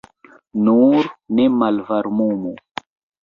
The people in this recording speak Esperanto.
Nur ne malvarmumu.